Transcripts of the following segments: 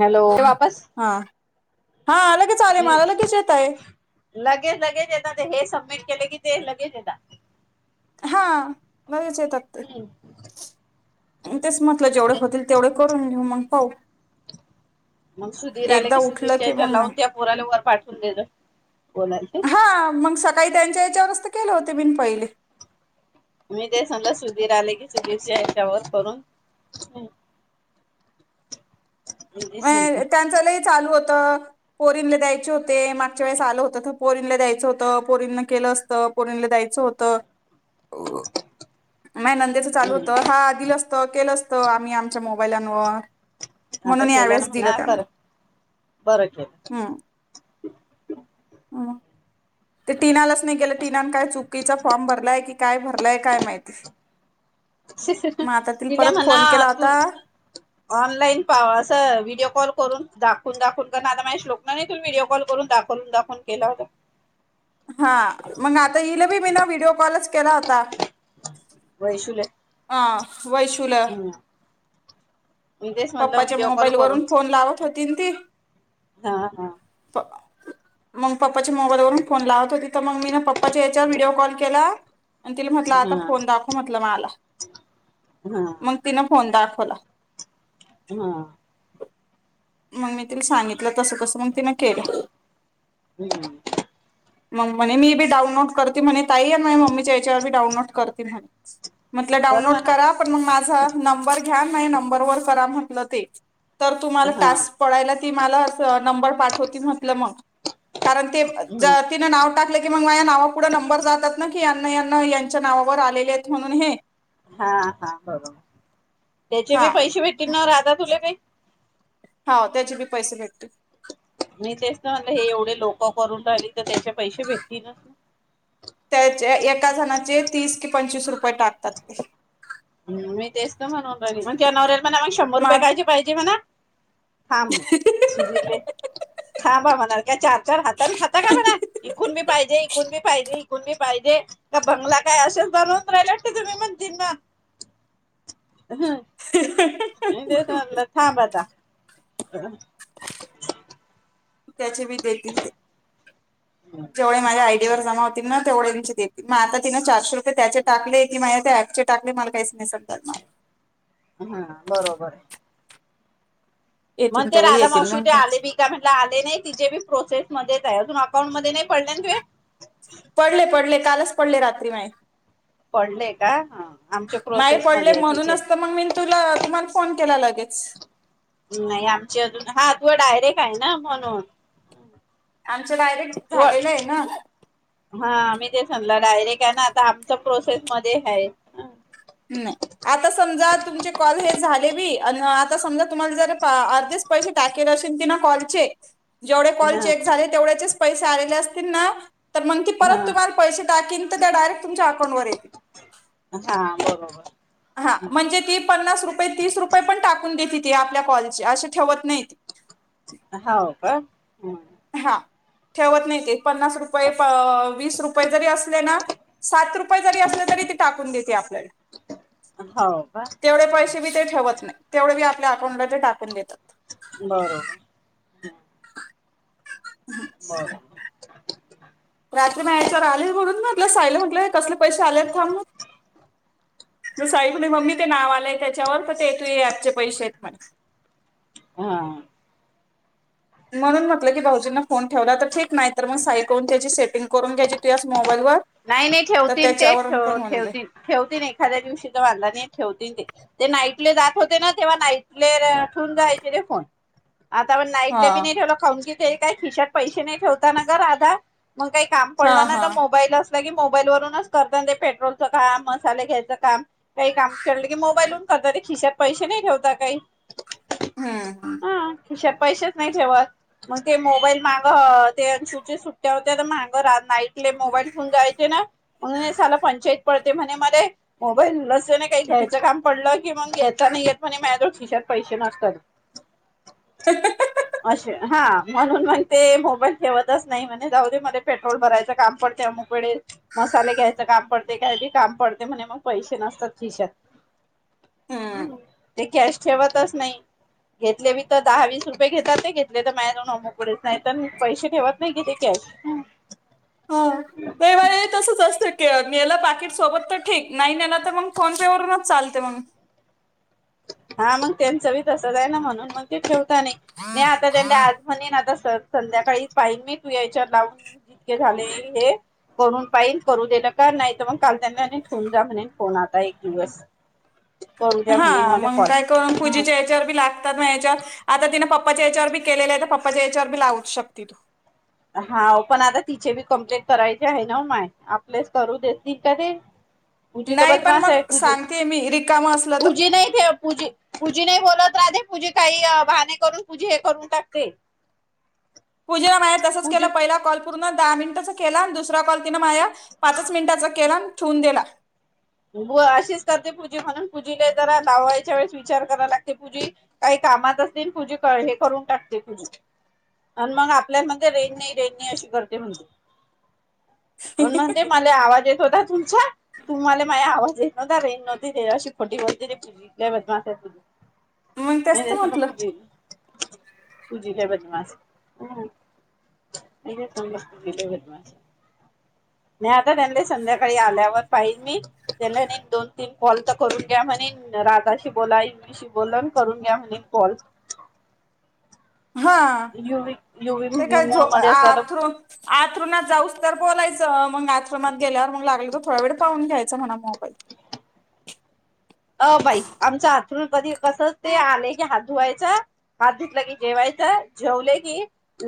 Hello ते हा वापस हा अलगेच चाले मी मला लगेच येत आहे लगेच लगेच येत ते हे सबमिट केले की ते लगेच येतात हा बजच येतत हम्म तेच म्हटलं जेवढे होतील तेवढे करून लिऊ मून हो मग सुधीर आले कि सुधीर त्याच्या मग ना लावून त्या पुोराल्यावरर पाठ तले बोणची काही त्यांच्या याच्यावरच तर केलं होते बी पहिले मी ते समजा सुधीर आले की सुधीरच्या आशावर करून म समजा त्यांचा चालू होत पोरीनला द्यायचे होते मागच्या वेळेस आलं होतं तर पोरीनला द्यायचं होतं पोरीन न केलं असत पोरीनला द्यायचं होत नाही नंदेचं चालू हम्म होतं हा दिल असतं केलं असतं आम्ही आमच्या मबाईलान आता म्हणून केलं ना यावेळेस दिलं म्हणा त्याना कर बरं हम् ते टीनालाच नाही केलं टीनान काय चुकीचा फॉर्म भरलाय की काय भरलाय काय माहिती मग आता तिला परत म्हणा फोन केला तू होता ऑनलाईन पा अस व्हिडिओ कॉल करून दाखवून दाखवून कर आता माझ श्लोकनाने त व्हिडिओ कॉल करून दाखवून दाखव केला होतता हा मग आता इल बी मी ना विडओ कॉलच केला होता वैशूला हां वैसला हम्म मी तेच म्हटलं पप्पाच्या व्हिडिओ कॉल मोबाईल करून वरून फोन लावत होती ती हा हा प मग पप्पाच्या मोबाईल वून फोन लावत होती तर मग मी ना पप्पाच्या याच्यावर व्हिडिओ कॉल केला आणि तिला म्हटलं हा आता फोन दाखव म्हटलं मला हा मग हा तिनं फोन दाखव खोला हा मग मी तिला सांगितलं तस कसं मण तिन केलं मग म्हणे मी बी डाउनलोड करते म्हणे ताई आणि मम्मीच्या यांच्यावर बी डाऊनलोड करते म्हणे म्हटलं कर डाऊनलोड म्हणा करा पण मग माझे माझ नंबर घ्या नाही नंबर वर करा म्हटलं ते तर तुम्हाला हा टास्क पाळला ती मला अस नंबर पाठवती म्हटलं मग कारण ते हम्म तिनं नाव टाकलं की मग माझ या नावापुढं नंबर जातात ना की यांना यांना यांच्या नावावर आलेले आहेत म्हणून हे- हा हा बरोबर त्याचे हा बी पैसे भेटतील ना राधा तुला काही हो त्याचे बी पैसे भेटतील. मी तेच तर म्हणलं हे एवढे लोक करून राहिली तर त्याचे पैसे भेटतील. त्याचे एका जणाचे तीस कि पंचवीस रुपये टाकतात. मी तेचतो म्हणून मग नवऱ्याला म्हणा मग शंभर मा रुपये कायची पाहिजे म्हणा. थांब सुधीर रे थांब म्हणा काय चार चार हाताने खाता का म्हणा इकून मी पाहिजे इकून मी पाहिजे. कुणी पाहिजे का बंगला काय असेच बनवून राहिले तुम्ही म्हणतुन मग ह थांब आता अजून त्याचे बी देतील ते जेवढ माझ्या आयडीवर जमा होतील ना. तेवढ्यांची देखिल माझे ते चारशे रुपये त्याचे टाकले की माझ्यात ॲपचे टाकले मला काहीच समजन नाही. हा बरोबर मग येतील ते तेवढे राधा येतील मावशी मग ते आले बी काय म्हट आले नाही तिचेे बी प्रोसेसच मध्येच आहे अजून अकाउंट मध्ये नाही. पडले ना तुझे? पडले पडले कालच पडले रात्री माझे पडले का हा आमच्या माझे प्रोसेस पडले मध्ये आहे तिचे. म्हणूनच मग मी तुला तुम्हाला फोन ल लागेच नाही आमची अजून हा तू डायरेक्ट आहे ना म्हणून आमचे डायरेक्ट व झालेलं आहे ना हा आम्ही ते म्हणला डायरेक्ट आहे ना आता आमचं प्रोसेस मध्ये आहेत ना. नाही आता समजा तुमचे कॉल हे झाले बी अ आता समजा तुम्हाला जर अर्धेच पैसे टाकेल असेल ती ना कॉलचे जेवढे कॉल हा चेक झाले तेवढेच पैसे आलेले असतील ना. तर मग ती हा परत तुम्हाला पैसे टाकेल. त्या डायरेक्ट तुमच्या अकाउंटवर येतील. हा बरोबर हा म्हणजे ती पन्नास रुपये तीस रुपये पण टाकून घेत ती आपल्या कॉलशी ठेवत नाही. हा का हम हा ठेवत नाही ते पन्नास रुपये वीस रुपये जरी असले ना सात रुपे अस तरी त टाकून देते आप हो का तेवढे पैसे बी ते ठेवत नाही. तेवढे मी आपल्या अकाउंटला ते टाकून देतात. बरोबर ब [unintelligible] रात्री म याच्यावर आली म्हणून म्हटलं साईला म्हंटलं कसले पैसे आलेत थांब. हा. म्हणून म्हटलं की भाऊजींना फोन ठेवला तर ठीक नाही तर मग साई करून त्याची सेटिंग करून घ्याची त मो. नाही नाही ठेवतील ते पण होऊन जाईल ठेवतील ठेवतील एखाद्या दिवशी तरांला नाही ठेवतील ते ते नाहीईट. ले जात होते ना तेव्हा नाईट ठेवून जायचे र फोन. आता आपण हा नाईटले बी नाही ठेवलं खा. ते काय खिशात पैसे नाही ठेवताना ग राधा. मग काही काम हा पडलं ना हा तर मोबाईलच. की मोबाईल वूनच करत ते पेट्रोलचं काम मसाले घ्यायचं काम. काही काम केलं की मोबाईलून. तरी खिशत पैसे नाही ठेवता काही. हम ह. किसान पैसेच नाही ठेवत मग ते मोबाईल माग ते सुुटची सुट्ट्या होत्या तर मग राह नाईटले मोबाईल. य ना म्हणूनला पंचायत पडते म्हणे म मोबाईल. काही घ्यायचं काम पडलं की मग घ्यायच नाहीेत म्ह म. किशात पैसे नसतात. अशे हा. म्हणून मग ते मोबाईल ठेवतच नाही म्हण जाद मध्ये पेट्रोल भरायचं काम पण ते. मसाले घ्यायचं काम पडते काय काम पडते म्हणे मग पैसे नसतात खिशत. हम्म हम् ते कॅश. ठेवतच नाही घेतले बी तर दहा वीस रुपये घेतात ते घेतले तर मायजन मोकडेच नाही तर पैसे ठेवत नाही कि ते कॅश. हो ते बा तसच असतं कलं पाकीिट सोबत तर ठीक नाही ना तर मग फोन पे वूनच चालते मग. हा मग त्यांचं बी तसं जा आहे ना म्हणून मग ते ठेव. नाही नाही आता त्यां आज म्हणी ना तस. संध्याकाळी पान मी तू याच्यात लावून जितके झाले हे करून पान करू देलं का नाही तर मग काल त्यांना ठेवू जा म्हणे फोन आता एक दिवस. द्या म्हणेन हा मला मग कॉल काय करून ह. पूजेच्या याच्यावर बी लागतात ना याच्यावर आता तिने्. पपाच्या याच्यावर केलेले आहे तर पप्पाच्या याच्यावर बी लावू शकती तू. हा पण आता तिचे बी कंप्लेंट करायचे आहे ना माय आपलेस करू देततील का ते. पुूजी त नाही पण बदमाश मग आहे पूजी सांगते मी रिकाम असलं तर पुूजी नाहीे पूजी पुूजी नाही बोला. धे पूजे काही भाने करून पूजे हे करून टाकते. पूजेला ना माय तसंच केला पूजी पहिला कॉल. पूर्ण दहा मिनिटचा केला दुसरा कॉ. माझ पाचच मिनिटाचा केला. ठेवून दिला. अशीच करते पूजी म्हणून पूजीला जरा लावायच्या वेळेस विचार करायला लागते पूजी काही कामात असते पूजी हे करून टाकते पूजी आणि मग आपल्यामध्ये रेण नाही रेणनी अशी करते म्हणते. म्हणुन म्हणते मला आवाज. येत होता तुमच्या तुम्हाला माझ आवाज येत नव्हता रे नव्हती ते अशी खोटी ग पूले बदमास पू मग [unintelligible] नाही तेच तर नाही सल म्हटलं कती तुझीचा बदमास तुझीचा बदमास नाही आता त्यां संध्याकाळी आल्यावर पाहिल मी [unintelligible] त्याला दोन तीन कॉल तर करून घ्या म्हणे राधाशी बोला इंगलीशी बोला करून घ्या म्हणे कॉल हा युवी युवी ते काय झो मूड मध्ये असला तर आथर आथरुणात जाऊस तर बोलायचं ह मग आश्रमात गेल्यावर मग लागलं तर थोडा वेळ पाहून घ्यायं म्हणा मोबाईल अ बाई आमच आथरण कधी कस ते आले की हात धुवायचा हात धुतला की जेवायचा जेवले की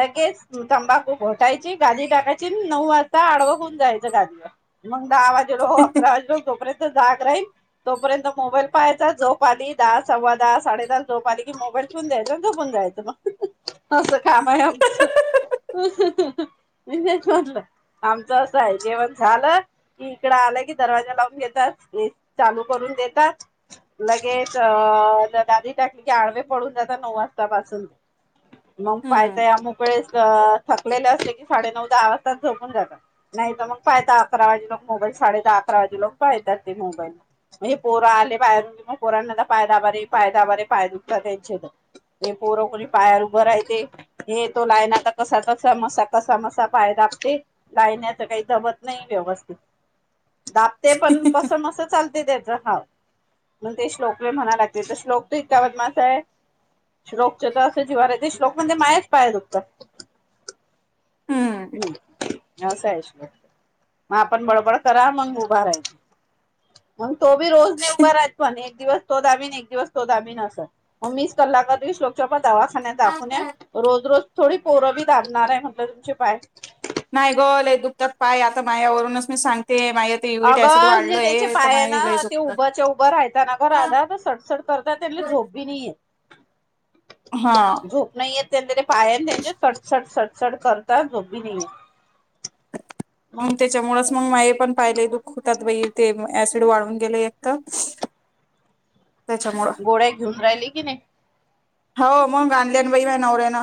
लगेच तंबाखू फोटायची गादी टाकायची नऊ वाजता आडव होऊन जायचं गादीवर मग दहावाजेलो अकरा वाजल तोपर जाग राहील तोपर्यंत मोबाईल पाहायचा जोप आली दहा सव्वा दहा साडे दहा जोप आली कि मोबाईल फून जायच झोपून जायचं मग असं काम आहे आमचं म्हच म्हणलं आमच असं आहे जेवण झालं की इकड आलं कि दरवाजा लावून घेत चालू करून देत लगेच अ दाधी टाकली की आडवे पडून जातात नऊ वाजतापासून मग पायत हम्म अ मोकळेच थलेले असते की साडे नऊ दहा वाजताच झोपून जातात नाही तर मग पाहता अकरा वाजे लोक मोबाईल साडे दहा अकरा वाजे लोक पाहतात ते मोबाईल पोरं आले पाहेरून क पोरांना पाय दाबारे पाय दाबारे पाय दुखत त्यांचे तर ते पोरं कोणी पायार उभं राहते हे तो लायनाचा कसा कसा मसा कसा मसा पाय दाबते लायण्याच काही दबत नाही व्यवस्थित दापते पण कस मस चालत [unintelligible] ेत [unintelligible] हा मण ते श्लोक म्हणा लागते तर श्लोक तर इतका बदमास आहे श्लोक च तर असं जीवाार आहे ते श्लोक म्हणजे मायाच पाया दुखत [unintelligible] हम्म हम्म नसायश [unintelligible] मग आपण बडबड करा मग उभा राहायच म तोी रोज नाही उभा राहतो [unintelligible] दिवस तो दाबिन एक दिवस तो दाबिन असत मग वीस कलास लोकच्या प दवाखान्या दाखवण्या रोज रोज थोडी पोरबी लाणणार आहे म्हटलं तुम बाय नाही गोल दुपतात पाय आता माझ्यावरूनच मी सांगते माया ते युरिक ऍसिड अगर जे त्यांचे वाढलोय तर पाय आहे माया लय ना ते दुखतात उभ्याच्या उभं राहताना अग राध तर सडसड करत त्यांना झोप बी नाहीे हा झूप नाही य त्यां पाया नाहीे चटचड चडचड करता जो भी नाही मग त्याच्यामुळेच मग मा पण पाहिले दुखतात व ते सिड वाढून गेले एक तर त्याच्यामुळं गोड्या घेऊन राहिले की नाही हो मग आणल्यान वई म नवऱ्या ना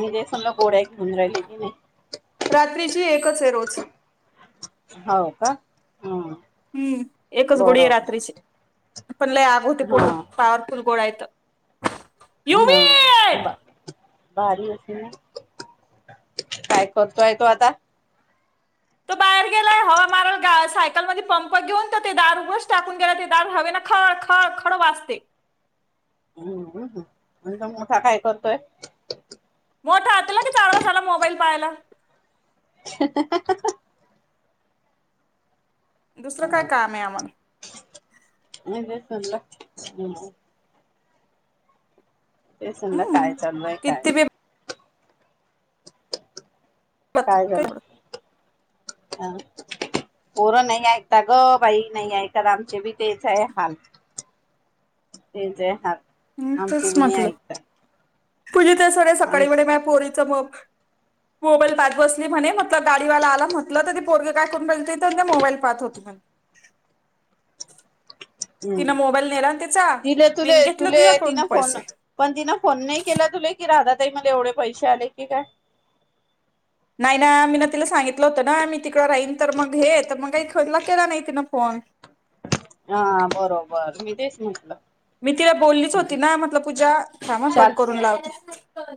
मजे सल गोडा एक धंद राहिली त मी रात्रीची आहे रोज हो का हम हम्म एकच गोळी आहे बरोबर रात्रीची पण ल आग होते हा पोण पाॉवरफुल गोड आहे [unintelligible] हा बा भारी असे ना काय करतोय तो आता तो बाहेर गेलाय हवा मारळ सायकलमध्ये पंप घेऊन त ते दार उभच टाकून गेला ते दार हवे ना खळ खळ खळ वाचते हम्मम् आणि मोठा काय करतोय मोठा हातला की चार वाज झाला मोबाईल पाहायला [unintelligible] दुसरं काय काम आहे आम्हाला अल ते समध काय हम्म. चाललंय काय किती बी मत ह पोरं नाही ऐकता ग बाई नाही ऐकत आमचे बी तेच आहे हाल तेच आहे हाल ह् तेच आमचे बी नाही म्हटलं ऐकता तुझी ते सळे आम सकाळी वेळे म पोरी मोबाईल प बसली म्हणे म्हट गाडीवाला आला म्हटलं तर ते पोरगे काय कोण मोबाईल पात होती म्ह हम् तिन तु मीन घेतलं तुले तिन तिच्याकडून फोन पैसे पण तिन फोन नाही केला तु की राहतात मध्ये एवढे पैसे आले की काय नाही ना मी ना तिला सांगितलं होत ना मी तिकडं राहीन तर मग हे तर मग काही खला केला नाही तिन फोन हा बरोबर मी तेच म्हटलं मी तिला बोललीच होती ना म्हटल पूजा मा कट चाल करून लावते पाच